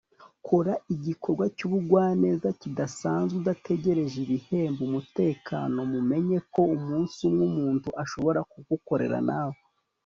kora igikorwa cyubugwaneza kidasanzwe, udategereje ibihembo, umutekano mumenye ko umunsi umwe umuntu ashobora kugukorera nawe